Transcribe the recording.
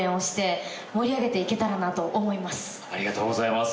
ありがとうございます。